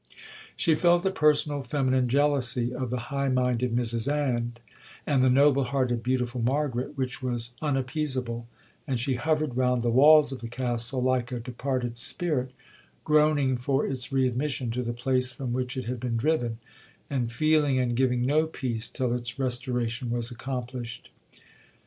She felt a personal feminine jealousy of the high minded Mrs Ann, and the noble hearted beautiful Margaret, which was unappeasable; and she hovered round the walls of the Castle like a departed spirit groaning for its re admission to the place from which it had been driven, and feeling and giving no peace till its restoration was accomplished.